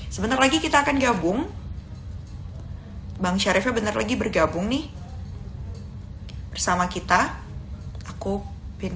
sebentar lagi kita akan gabung bang syarifnya bener lagi bergabung nih bersama kita aku pilih